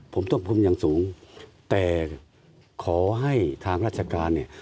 ผมต้องคุมอย่างสูงแต่ขอให้ทางราชการเนี่ย